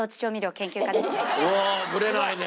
うわブレないね